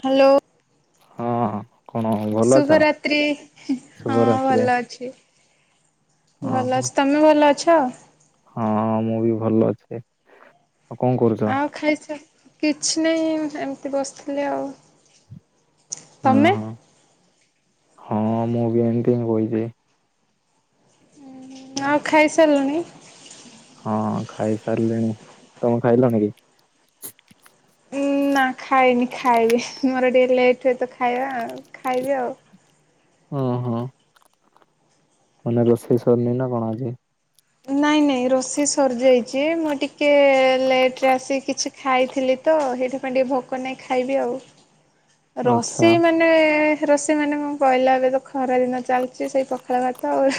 Hello! ହଁ କଣ ଭଲ ଅଛ! ଶୁଭରାତ୍ରି। ହଁ ଶୁଭରାତ୍ରୀ। ଭଲ ଅଛି ଭଲ ଅଛି। ତମେ ଭଲ ଅଛ? ହଁ ମୁଁ ବି ଭଲ ଅଛି। ଆଉ କଣ କରୁଛ? ଆଉ ଖାଇସ କିଛି ନାହିଁ, ଏମିତି ବସିଥିଲି ଆଉ। ହଁ ତମେ? ହଁ ହଁ ମୁଁ ବି ଏମିତି ହିଁ ବଇଚି। ଆଉ ଖାଇ ସାରିଲଣି? ହଁ ଖାଇସାରିଲିଣି, ତମେ ଖାଇଲଣି କି? ନା ଖାଇନି ଖାଇବି ମୋର ଟିକେ ଲେଟ୍ ହୁଏ, ତ ଖାଇବା ଖାଇବି ଆଉ। ହୁଁ ହୁଁ। ମାନେ ରୋଷେଇ ସନି ନା କଣ ଆଜି? ନା ଇଁ ନାଇଁ ରୋଷେଇ ସରିଯାଇଛି, ମୁଁ ଟିକେ ଲେଟରେ ଆସିି କିଛି ଖାଇଥିଲି ତ ସେଥିପାଇଁ ଟିକେ ଭୋକ ନାହିଁ, ଖାଇବି ଆଉ ଆଚ୍ଛା ରୋଷେଇ ମାନେ ରୋଷେଇ ମାନେ ମୁଁ ପହିଲା ଏବେ ତ ଖରା ଦିନ ଚାଲିଛି, ସେଇ ପଖାଳ ଭାତ ଆଉ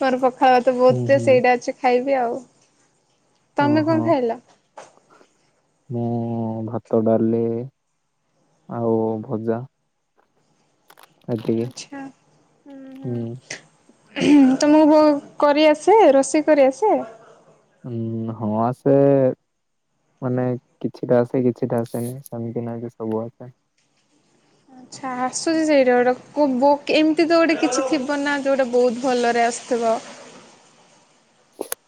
ମୋର ଖାଇବା ତ ହୁଁ ବହୁତ ହୁଁ ସେଇଟା ଅଛି ଖାଇବି ଆଉ। ତମେ ଓହୋ କଣ ଖାଇଲ? ମୁଁ ଭାତ ଡାଲି ଆଉ ଭଜା। ଏତିକି ଆଛା, ହୁଁ ହୁଁ। ତମକୁ ବ କରିଆସେ ରୋଷେଇ କରିଆସେ? ହ, ହଁ ଆସେ ମାନେ କିଛିଟା ଆସେ, କିଛିଟା ଆସେନି ସେମିତି ନାହିଁ କି ସବୁ ଆସେ। ଆଚ୍ଛା, ଆସୁଛି ସେଇଟା ଗୋଟେ ଏମିତି ତ ଗୋଟେ କିଛି ଥିବ ନା ଯୋଉଟା ବହୁତ ଭଲରେ ଆସୁ ଥିବ?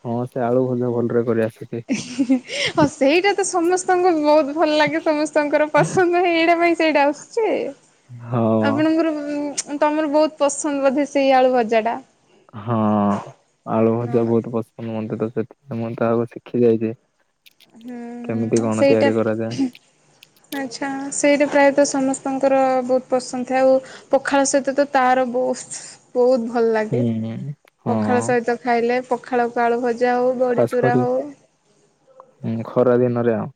ହଁ ସେ ଆଳୁ ଭଜା ଭଲ ରେ କରି ଆସୁଛି। ହଉ ସେଇଟା ତ ସମସ୍ତଙ୍କୁ ବହୁତ ଭଲ ଲାଗେ ସମସ୍ତଙ୍କର ପସନ୍ଦ ହେଇ ଏଇଟା ପାଇଁ ସେଇଟା ଆସୁଛି ହଁ ଆପଣଙ୍କର ତମର ବହୁତ ପସନ୍ଦ ବୋଧେ ସେଇ ଆଳୁ ଭଜା ଟା? ହଁ ଆଳୁ ଭଜା ବହୁତ ପସନ୍ଦ ମତେ ସେଥି ମୁଁ ତ ଆ ଶିଖି ଯାଇଛି। କେମିତି ହୁଁ କଣ ସେଇଟା ତିଆରି କରାଯାଏ। ଆଛା ସେଇଟା ପ୍ରାୟ ତ ସମସ୍ତଙ୍କର ବହୁତ ପସନ୍ଦ ଥାଏ, ଆଉ ପଖାଳ ସହିତ ତ ତ ବହୁ ବହୁତ ଭଲ ଲାଗେ ହୁଁ ପଖାଳ ହଁ ସହିତ ଖାଇଲେ ପଖାଳକୁ ଆଳୁ ଭ ଜାହଉ, ବଡ଼ି ଖାସ ଚୁରା କରି ହଉ। ହୁଁ ଖରା ଦିନରେ ଆଉ।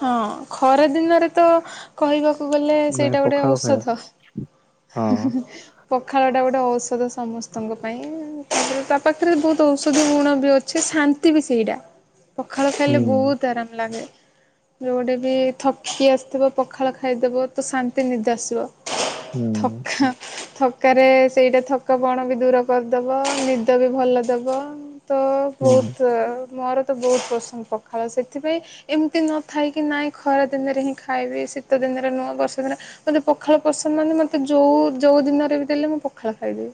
ହଁ ଖରା ଦିନରେ ତ କହିବା କୁ, ଗଲେ ନାଇଁ ସେଇଟା ଗୋଟେ ପଖାଳ ଖାଇବାକୁ ଔଷଧ। ହଁ ପଖାଳଟା ଗୋଟେ ଔଷଧ ସମସ୍ତଙ୍କ ପାଇଁ ତାପରେ ତା ପାଖରେ ବହୁତ ଔଷଧ ଗୁଣ ବି ଅଛି। ଶାନ୍ତି ବି ସେଇଟା ପଖାଳ ଖାଇଲେ ହୁଁ ବହୁତ ଆରାମ ଲାଗେ। ଯୋଉ ଗୋଟେ ବି ଥକି ଆସିଥିବ ପଖାଳ ଖାଇଦବ ତ ଶାନ୍ତି ନିଜେ ଆସିବ। ହୁଁ ଥଖା ଥକାରେ ସେଇଟା ଥକାପଣ ବି ଦୂର କରିଦବ ନିଦ ବି ଭଲ ଦବ। ତ ହୁଁ ବହୁତ ମୋର ତ ବହୁତ ପସନ୍ଦ ପଖାଳ ସେଥିପାଇଁ ଏମିତି ନ ଥାଇକି ନାଇଁ ଖରା ଦିନରେ ହିଁ ଖାଇବି ଶୀତ ଦିନରେ ନୁହଁ ବର୍ଷ ଦିନରେ ମୋତେ ପଖାଳ ପସନ୍ଦ ମାନେ ମୋତେ ଯଉ ଯୋଉ ଦିନରେ ବି ଦେଲେ ମୁଁ ପଖାଳ ଖାଇଦେବି।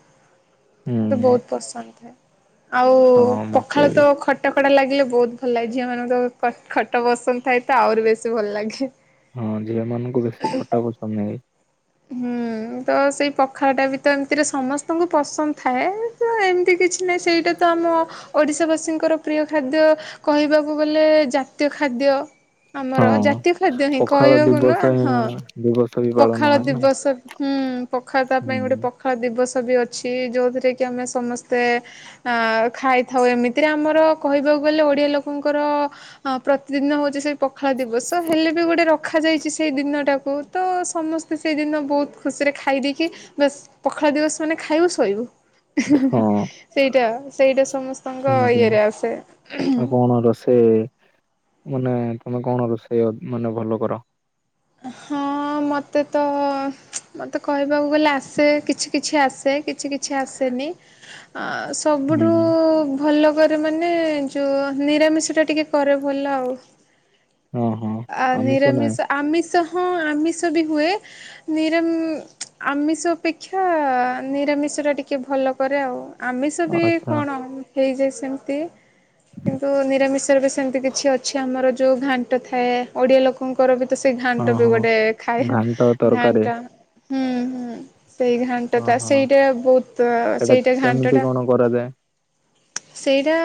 ମୋତେ ହୁଁ ବହୁତ ପସନ୍ଦ ଥାଏ ଆଉ ହଁ ମତେ ପଖାଳ ବି ତ ଖଟା ଟା ଲାଗିଲେ ବହୁତ ଭଲ ଲାଗେ ଝିଅମାନଙ୍କୁ କ ଖଟା ପସନ୍ଦ ଥାଏ ତ ଆହୁରି ବେଶୀ ଭଲ ଲାଗେ। ହଁ ଝିଅ ମାନଙ୍କୁ ବେଶୀ ଖଟା ପସନ୍ଦ ନାଗେ। ହୁଁ ତ ସେଇ ପଖାଳ ଟା ବି ତ ଏମିତିରେ ସମସ୍ତଙ୍କୁ ପସନ୍ଦ ଥାଏ ତ ଏମିତି କିଛି ନାହିଁ ସେଇଟା ତ ଆମ ଓଡ଼ିଶାବାସୀଙ୍କର ପ୍ରିୟ ଖାଦ୍ୟ କହିବାକୁ ଗଲେ ଜାତୀୟ ଖା ଖାଦ୍ୟ ଆମର ହଁ ଜାତୀୟ ଖାଦ୍ୟ ହିଁ ପଖାଳ କହିବାକୁ ନ ଦିବସ ହଁ ହିଁ ଦିବସ ବି ପଖା ପାଳନ ହୁଏ ନା ଦିବସ ହୁଁ ପଖାଳ ତା ପାଇଁ ଗୋଟେ ହୁଁ ପଖାଳ ଦିବ ଦିବସ ବି ଅଛି ଯୋଉଥିରେ କି ଆମେ ସମସ୍ତେ ଅଂ ଖାଇଥାଉ ଏମିତିରେ ଆମର କହିବାକୁ ଗଲେ ଓଡିଆ ଲୋକଙ୍କର ଅଂ ପ୍ରତିଦିନ ହଉଚି ସେ ପଖାଳ ଦିବସ ହେଲେ ବି ଗୋଟେ ରଖାଯାଇଚି ସେଇ ଦିନଟାକୁ ତ ସମସ୍ ତେ ସେଇଦିନ ବହୁତ ଖୁସିରେ ଖାଇ ଦେଇେକି ବାସ୍ ପଖଳା ଦିବସ ମାନେ ଖାଇବୁ ଶୋଇବୁ। ହଁ ସେଇଟା ସେଇଟା ସମସ୍ତଙ୍କ ସେମିତି ଇଏରେ ଆସେ। ସେ ମାନେ ତମେ କଣ ରୋଷେୟା ମାନେ ଭଲ କର। ହଁ। ହଁ ମୋତେ ତ [unintelligible] ମୋତେ କହିବାକୁ ଗଲେ ଆସେ କିଛି କିଛି ଆସେ କିଛି କିଛି ଆସେ। ନି ଅଂ ସବୁଠୁ ହୁଁ ଭଲ। କରେ ମାନେ ଯୋଉ ନିରାମିଷ ଟା ଟିକେ କରେ ଭଲ ଆଉ। ହଁ ହଁ ଆ ଆମିଷ ନାହିଁ ନିରାମିଷ ଆମିଷ ହଁ। ଆ ମିଷ ବି ହୁଏ ନିରାମି ମ ଆମିଷ ଅପେକ୍ଷା ନିରାମିଷ ଟା ଟିକେ ଭଲ କରେ ଆଉ ଆମିଷ ବି ଆଚ୍ଛା କଣ? ହେଇଯାଏ ସେମିତି କିନ୍ତୁ ନିରାମିଷରେ ବି ସେମିତି କିଛି ଅଛି ଆମର ଯେଉଁ ଘାଣ୍ଟ ଥାଏ। ଥାଏ ଓଡିଆ ଲୋକଙ୍କର ବି ତ ସେଇ ହଁ ଘାଣ୍ଟ ବି ହଁ ଗୋଟେ ଖାଏ ଘାଣ୍ଟ ତରକାରୀ ଘାଣ୍ଟା ସେଇ ଘାଣ୍ଟ ହଁ ଟା ହଁ ସେଇଟା ବହୁତ ଅଂ ସେଟା ସେଇଟା ଘାଣ୍ଟ କେମିତି ଟା କଣ କରାଯାଏ? ମ୍ଚିଁ ସେଇଟା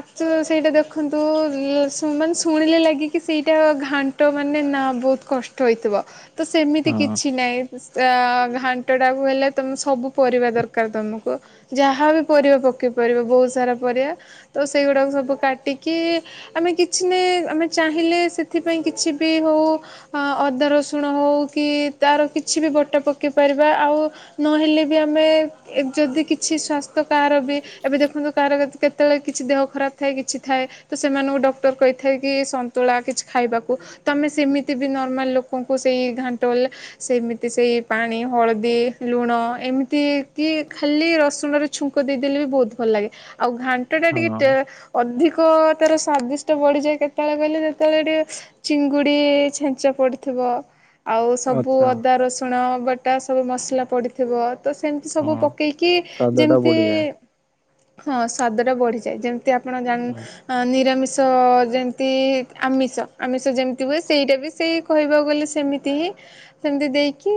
ଆକ୍ଚୁଲ ସେଇଟା ଦେଖନ୍ତୁ ଲେ ଶୁ ମାନେ ଶୁଣିଲେ ଲାଗେକି? କି ସେଇଟା ଘାଣ୍ଟ ମାନେ ନା ବହୁତ କଷ୍ଟ ହେଇଥିବ ତ ସେମିତି କିଛି ହଁ ନାଇଁ। ଉଁ ସାଁ ଘାଣ୍ଟଟାକୁ ହେଲେ ତମେ ସବୁ ପରିବା ଦରକାର ତମକୁ ଯାହାବି ପରିବା ପ ପକେଇ ପାରିବ ବହୁତ୍ ସାରା ପରିଆ ତ ସେଇଗୁଡା ସବୁ କାଟିକି ଆମେ କିଛି ନାଁଇ ଅମେ ଚାହିଁଲେ ସେଥିପାଇଁ କିଛି ବି ହଉ ଅଦା, ରସୁଣ ହଉ କି ତାର କିଛି ବି ବଟା ପକେଇ ପାରିବା ଆଉ ନହେଲେ ବି ଆମେ ଯଦି କିଛି ସ୍ୱାସ୍ଥ୍ୟ କାର ବି ଏବେ ଦେଖନ୍ତୁ କାହାର କେ କେତେବେଳେ କିଛି ଦେହ ଖରାପ ଥାଏ କିଛି ଥାଏ ତ ସେମାନଙ୍କୁ ଡକ୍ଟର କହିଥାଏ କି ସ ନ୍ତୁଳା କିଛି ଖାଇବାକୁ। ତ ଆମେ ସେମିତି ବି ନର୍ମାଲ ଲୋକଙ୍କୁ ସେଇ ଘାଣ୍ଟ ହେଲା ସେମିତି ସେଇ ପାଣି ହଳଦୀ ଲୁଣ ଏମିତି କି ଖାଲି ରସୁଣରେ ଛୁଙ୍କ ଦେଇଦେଲେ ବି ବହୁତ। ଭଲ ଲାଗେ। ଆଉ ଘାଣ୍ଟ ଟା ଟିକେ ଟେ ହଁ ଅଧିକ ତାର ସ୍ଵାଦିଷ୍ଟ ବଢିଯାଏ କେତେବେଳେ- କହିଲେ ଯେତେବେଳେ ଟିକେ ଚିଙ୍ଗୁଡ଼ି ଛେଞ୍ଚା ପଡ଼ିଥିବ। ଆଉ ସବୁ ଆଚ୍ଛା ଅଦା ରସୁଣ ବଟା ସବୁ ମସଲା ପଡ଼ିଥିବ। ତ ସେମିତି ସବୁ ହଁ ପକେଇକି ସ୍ୱାଦ ଟା ଯେମିତି ବଢିଯାଏ। ହଁ ସ୍ଵାଦ ଟା ବଢିଯାଏ ଯେମି ତି ଆପଣ ହୁଁ ଜାଣ ନିରାମିଷ ଯେମ୍ ତି ଆମିଷ ଆମିଷ ଯେମିତି ହୁଏ ସେଇଟା ବି ସେଇ କହିବାକୁ ଗଲେ ସେମିତି ହିଁ ସେମତି ହେଇକି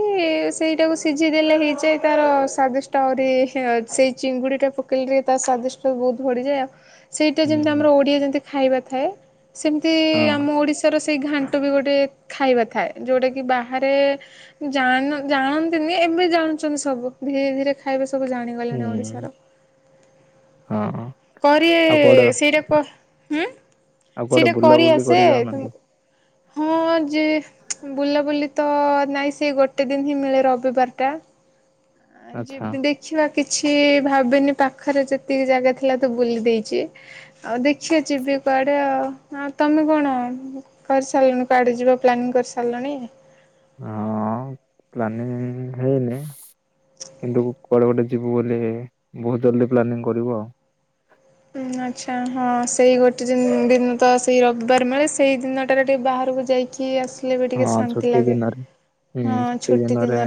ସେଇଟାକୁ ସିଯେଇ ଦେଲେ ହେଇଯା ତାର ସ୍ୱାଦିଷ୍ଟ ରି ହି ସେଇ ଚିଙ୍ଗୁଡି ଟା ପକେଇଲେ ତା ସ୍ଵାଦିଷ୍ଟ ବହୁତ ବଢିଯାଏ ଆଉ। ସେଇଟା ହୁଁ ଯେମିତି ହୁଁ ଆମର ଓଡ଼ିଆ ଯେମିତି ଖାଇବା ଥାଏ ସେମିତି ହଁ ଆମ ଓଡ଼ିଶାର ସେ ସେଇ ଘାଣ୍ଟ ବି ଗୋଟେ--ଖାଇବା ଥାଏ ଯୋଉଟା କି ବାହାରେ--ଜାଣ ଜାଣନ୍ତିନି ଏ ଏବେ ଜାଣୁଚନ୍ତି ସବୁ ଧୀରେ ଧୀରେ ଖାଇବା ସବୁ ହୁଁ ଜାଣିଗଲେଣି ହଁ। ଓଡିଶାର। ଆଉ କୁଆଡେ ଆଉ କରିଏ କୁଆଡେ ସେଇଟା ବୁଲାବୁଲି କରିଆସେ କରି ଯାଉନାହାନ୍ତି ତୁମକୁ? ହଁ ଯେ ଚ୍ ବୁଲାବୁଲି ତ ନହିଁ ସେଇ ଗୋଟେ ଦିନ ହିଁ ମିଳେ ରବିବାରଟା। ଅଁ ଆଚ୍ଛା ଯିବି ଦେଖିବା। କିଛି ଭାବେନି ପାଖରେ ଯେତିକି ଜାଗା ଥିଲା ତ ବୁଲି ଦେଇଚି ଆଉ ଦେଖିଆ ଯିବି। କୁଆଡେ ଆଉ ତମେ କଣ କରିସାରିଲଣି କୁଆଡେ ଯିବ ପ୍ଲାନିଂ କରିସାରିଲଣି? ହଁ ପ୍ଲାନିଂ ହେଇନି। କିନ୍ତୁ କୁଆଡେ ଗୋଟେ ଯିବୁ ବୋଲି ବହୁତ ଜଲଦି ପ୍ଲାନିଂ କରିବୁ ଆଉ। ହୁଁ ଆଚ୍ଛା ହଁ ସେଇ ଗୋଟେ ଦିନ ତ ସେଇ ରବିବାର ମାନେ ସେଇ ଦିନଟାରେ ଟିକିଏ ବାହାରକୁ ଯାଇକି ଆସୁ। ହଁ ଛୁଟି ଦିନରେ। ହୁଁ ଛୁଟି ଦିନରେ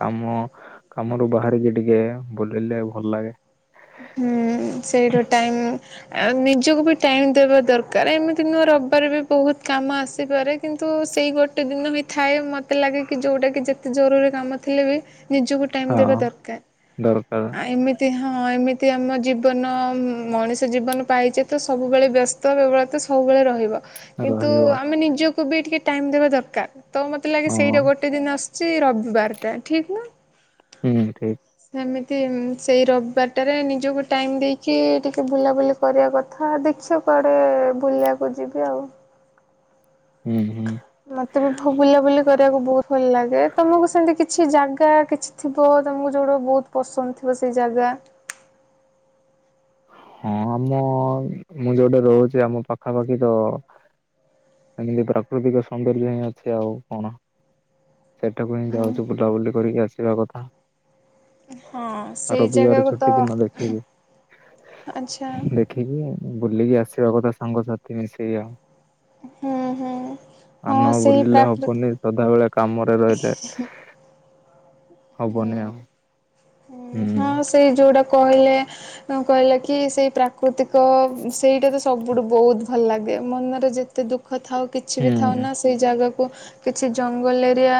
କାମ କାମରୁ ବାହାରିକି ଟିକେ ବୁଲିଲେ ଭଲ ଲାଗେ। ହୁଁ ସେଇଠୁ ଟାଇମ୍ ଆଉ ନିଜକୁ ବି ଟାଇମ୍ ଦେବା ଦରକାର ଏମିତି ନୁଆ ରବିବାର ବି ବହୁତ କାମ ଆସିପାରେ କିନ୍ତୁ ସେଇ ଗୋଟେ ଦିନ ହିଁ ଥାଏ ମତେ ଲାଗେ କି ଯୋଉଟା କି ଯେତେ ଜରୁରୀ କାମ ଥିଲେ ବି ନିଜକୁ ଟାଇମ୍ ହଁ ଦେବା ଦରକାର ଦରକାର ଆ ଏମିତି ହଁ। ହଁ ଏମିତି ଆମ ଜୀବନ ମଣିଷ ଜୀବନ ପାଇଛ ତ ସବୁବେଳେ ବ୍ୟସ୍ତ ବ୍ୟବ୍ରତ ସବୁବେଳେ ରହିବ। କିନ୍ତୁ ରହିବ ଆମେ ନିଜକୁ ବି ଟିକେ ଟାଇମ ଦବା ଦରକାର ତ ମତେ ଲାଗେ ହଁ ସେଇଟା ଗୋଟେ ଦିନ ଆସେ। ସେ ରବିିବାରଟା ଠିକ୍ ନା। ହୁଁ ଠିକ୍। ଏମିତି ସେଇ ରବି ବାଟରେ ନିଜକୁ ଟାଇମ ଦେଇକି ଟିକେ ବୁଲାବୁଲି କରିବା କଥା ଦେଖିଥ କୁଆଡ଼େ ବୁଲିବାକୁ କୁ ଯିବି ଆଉ ହୁଁ ହୁଁ। ମତେ ବି ବୁଲାବୁଲି କରିବାକୁ ବହୁତ ଭଲ ଲାଗେ ତମକୁ ସେମିତି କିଛି ଜାଗା କିଛି ଥିବ ତମକୁ ଯୋଉଟା ବହୁତ ପସନ୍ଦ ଥିବ ସେ ଜାଗା ହଁ ମୁଁ ଯୋଉଟି ରହୁଛି ଆମ ପାଖାପାଖି ତ। ଏମିତି ପ୍ରାକୃତିକ ସୌନ୍ଦର୍ଯ୍ୟ ହିଁ ଅଛି ଆଉ କଣ ସେଠାକୁ ହିଁ ଉଁ ଯାଉଛୁ ବୁଲାବୁଲି କରିକି ଆସିବା କଥା। ହଁ ସେଇ ରବିବାର ଜାଗାକୁ ତ ଛୁଟି ଦିନ ଦେଖିବି। ଆଚ୍ଛା ଦେଖିକି ବୁଲିକି ଆସିବା କଥା ସାଙ୍ଗସାଥି ମିଶେଇକି ଆଉ। ହୁଁ ହୁଁ ଆଉ ହଁ ନ ସେଇ ବୁଲିଲେ ପ୍ରାକୃତି ହବନି ସଦାବେେଳେ। କାମରେ ରହିଲେ। ହବନି ହୁଁ। ଆଉ। ହୁଁ ହଁ ସେ ଯୋଉଟା କହିଲେ କହିଲେ କି ସେଇ ପ୍ରାକୃତିକ ସେଇଟା ତ ସବୁଠୁ ବହୁତ ଭଲ ଲାଗେ। ମନରେ ଯେତେ ଦୁଃଖ ଥାଉ କିଛି ବି ଥାଉ ହୁଁ ନା ସେ ଜାଗାକୁ କିଛି ଜଙ୍ଗଲ ଏରିଆ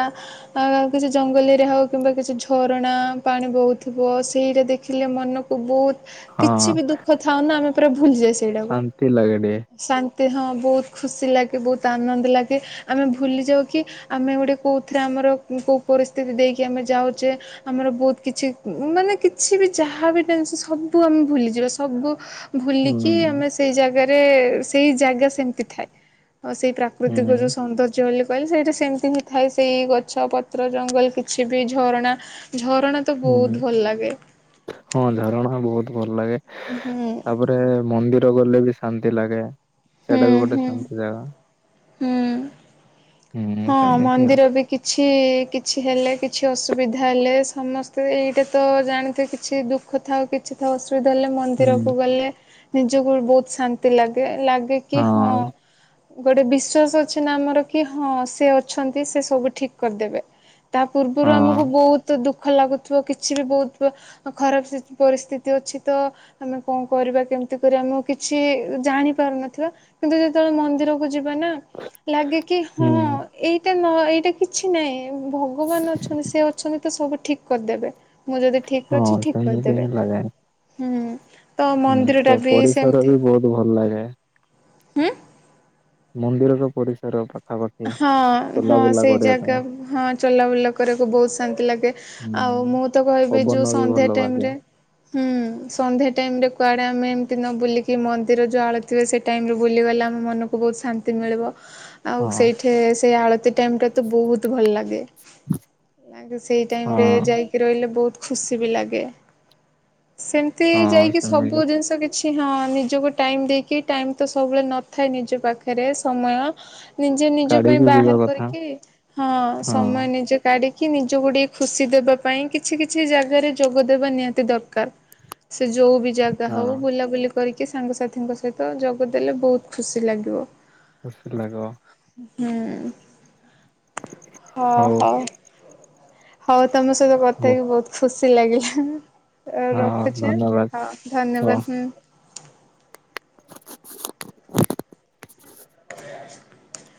କିଛି ଜଙ୍ଗଲ ଏରିଆ ହଉ କିମ୍ବା କିଛି ଝରଣା ପାଣି ବହୁତ୍ ଥିବ ସେଇଟା ଦେଖିଲେ ମନକୁ ବହୁତ୍ ହଁ କିଛି ବି ଦୁଃଖ ଥାଉ ନା ଆମେ ପୁରା ଭୁଲିଯାଉ ସେଇଟାକୁ ଶାନ୍ତି ଲାଗେ ଟିକେ ସାନ ହଁ ବହୁତ ଖୁସି ଲାଗେ ବହୁତ ଆନନ୍ଦ ଲାଗେ ଆମେ ଭୁଲିଯାଉ କି ଆମେ ଗୋଟେ କୋଉଥିରେ ଆମେ ଆମର କୋଉ ପରିସ୍ଥିତି ଦେଇକି ଆମେ ଯାଉଛେ ଆମର ବହୁତ କିଛି ମାନେ କିଛି ବି ଯାହାବି ଟେନ୍ସ ସବୁ ଆମେ ଭୁଲିଯିବା ସବୁ ଭୁଲିକି ହୁଁ ଆମେ ସେଇ ଜାଗାରେ ସେଇ ଜାଗା ସେମିତି ଥାଏ। ଆଉ ସେଇ ପ୍ରାକୃତିକ ଯୋଉ ହୁଁ ସୌନ୍ଦର୍ଯ୍ୟ ହେଲେକ୍ ଖାଲି ସେଇଟା ସେମିତି ହିଁ ଥାଏ ସେଇ ଗଛ ପତ୍ର ଜଙ୍ଗଲ କିଛି ବି ଝରଣା ଝରଣା ତ ହୁଁ ବହୁତ। ଭଲ ଲାଗେ ହଁ ଝରଣା ବହୁତ ଭଲ ଲାଗେ ହୁଁ ହୁଁ ତାପରେ ମନ୍ଦିର ଟ ଗଲେ ବି ଶାନ୍ତି ଲାଗେ ସେଇଟା ବି ଗୋଟେ ହୁଁ ଶାନ୍ତି ଜାଗା। ହୁଁ ହୁଁ ହଁ ସେମିତି ଆଉ ମନ୍ଦିର ବି କିଛି କିଛି ହେଲେ କିଛି ଅସ୍ ଅସୁବିଧା ହେଲେ ସମସ୍ତେ ଏଇଟା ତ, ଜାଣିଥିବେ କିଛି ଦୁଃଖ ଥାଉ କିଛି ଥାଉ ଧଲେ ମନ୍ଦିରକୁ ହୁଁ ଗଲେ, ନିଜକୁ ବହୁତ ଶାନ୍ତି ଲାଗେ। ଲାଗେ କି, ହଁ ଗୋଟେ ବିଶ୍ଵାସ ଅଛି ନା ଆମର କି ହଁ ସେ ଅଛନ୍ତି, ସେ ସବୁ ଠିକ କରିଦେବେ, ତା ପୂର୍ବରୁ ଆମକୁ ହଁ ବହୁତ ଦୁଃଖ ଦୁଃଖ ଲାଗୁଥିବ, କିଛି ବି ବହୁତ ଖରାପ ପରିସ୍ଥିତି ଅଛି ତ, ଆମେ କଣ କରିବା କେମତି? ତେଣୁ କରି ଆମକୁ କିଛି ଜାଣି ପାରୁନଥିବା କିନ୍ତୁ ଯେତେବେଳେ ମନ୍ଦିରକୁ ଯିବ୍ ନା ଲାଗେ କି ହଁ, ହୁଁ ଏଇଟା ନ ଏଇଟା କିଛି ନାଇଁ ଭଗବାନ ଅଛନ୍ତି ସେ ଅଛନ୍ତି ତ ସବୁ ଠିକ୍ କରିଦେବେ। ମୁଁ ଯଦି ଠିକ ଅଛି, ହଁ ଠିକ ସେମିତି କରିଦେବେ, ହିଁ ଲାଗେ ହୁଁ। ତ ହୁଁ ମନ୍ଦିରଟା ତ ବି ପରିସର ସେମିତି, ବି ବହୁତ ଭଲ ଲାଗେ ହୁଁ ମନ୍ଦିରର ପଡ଼ିଶାର ହଁ, ହଁ, ସେଇ ଜାଗା ପାଇଁ ହଁ ଚଲାବୁଲା କରିବାକୁ ବହୁତ ଶାନ୍ତି ଲାଗେ ଆଉ ହୁଁ ଆଉ ମୁଁ ତ କହିବି ଯୋଉ ପବନ ବି ସନ୍ଧ୍ୟା ଭଲ ବାଜେ ଟାଇମରେ, ହୁଁ ସନ୍ଧ୍ୟା ଟାଇମ ରେ କୁଆଡେ ଆମେ ଏମିତି ନ ବୁଲିକି ମନ୍ଦିର ଯୋଉ ଆଳତି ହୁଏ, ସେ ଟାଇମରେ ବୁଲିଗଲେ ଆମ ମନକୁ ବହୁତ ଶାନ୍ତି ମିଳିବ ଆଉ ହଁ ସେଇଠି ସେଇ ଆଳତି ଟାଇମ୍ଟା ତ ବହୁତ ଭଲ ଲାଗେ। ଲାଗେ ସେଇ ଟାଇମ ରେ ହଁ ଯାଇକି ରହିଲେ, ବହୁତ ଖୁସି ବି ଲାଗେ। ସେମିତି ହଁ ଯାଇକି ସେମିତି ସବୁ ଜିନିଷ କିଛି କିଛି ହଁ ନିଜକୁ ଟାଇମ ଦେଇକି, ଟାଇମ ତ ସବୁବେଳେ ନଥାଏ ନିଜ ପାଖରେ ସମୟ ନିଜେ ନିଜ ପାଇଁ କାଢିକି ଯିବା ବାହାର କଥା କରିକି, ହଁ ସମୟ ହଁ ନିଜେ କାଢ଼ିକି କି ନିଜ କୁ ଟିକେ ଖୁସି ଦେବା ପାଇଁ କିଛି କିଛି ଜାଗାରେ ଯୋଗଦବା ନିହାତି ଦରକାର। ସେ ଯୋଉ ବି ଜାଗା ହଉ, ହଁ ବୁଲାବୁଲି କରିକି କି ସାଙ୍ଗସାଥିଙ୍କ ସହିତ ଯୋଗଦଲେ, ବହୁତ ଖୁସି ଲାଗିବ। ଖୁସି ଲାଗିବ। ହୁଁ, ହଁ ହଉ ହଉ, ତମ ସହିତ କଥା ହେଇକି ବହୁତ ଖୁସି ଲାଗିଲା ଅ ହଁ ରଖୁଛେ ଧନ୍ୟବାଦ ହଁ ହଁ ଧନ୍ୟବାଦ, ହୁଁ। ହ [unintelligible]